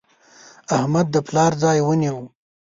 احمد د پلار ځای ونیو.